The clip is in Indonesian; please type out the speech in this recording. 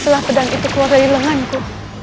setelah pedang itu keluar dari lenganku